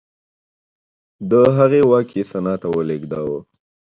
د هغې واک یې سنا ته ولېږداوه